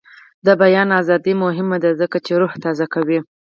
د بیان ازادي مهمه ده ځکه چې روح تازه کوي.